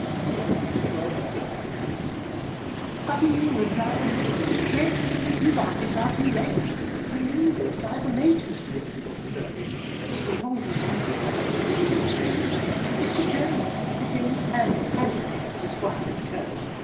(Here she twirled her fingers madly,) "But in England I've a mate! Yes! you've asked me far too late, For in England I've a mate, Mr. Yonghy Bonghy Bò! Mr. Yonghy Bonghy Bò! VI. "Mr. Jones (his name is Handel, Handel Jones, Esquire, & Co.)